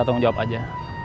tengok jawab aja